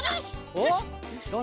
おっ？